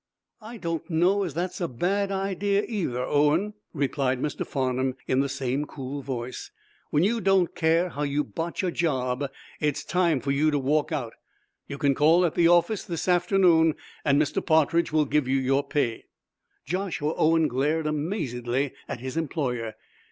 "I don't know as that's a bad idea, either, Owen," replied Mr. Farnum, in the same cool voice. "When you don't care how you botch a job it's time for you to walk out. You can call at the office this afternoon, and Mr. Partridge will give you your pay." Joshua Owen glared, amazedly, at his employer.